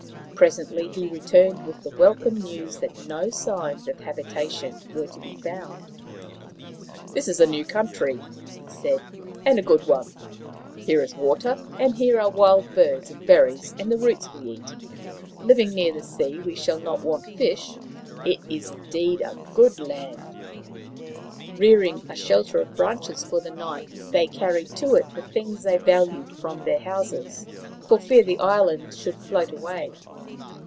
Presently he returned with the welcome news that no signs of habitation were to be found. " It is a new country," he said, " and a good one. Here is water, and here are wild birds and berries and the roots we eat. Living near the sea, we shall not want fish. It is indeed a good land." 232 Maoriland Fairy Tales Rearing a shelter of branches for the night, they carried to it the things they valued from their houses, for fear the island should float away.